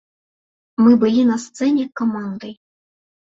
Мы былі на сцэне камандай.